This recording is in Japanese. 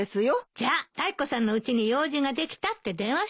じゃあタイコさんのうちに用事ができたって電話しとくわ。